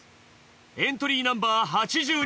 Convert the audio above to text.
エントリーナンバー８２。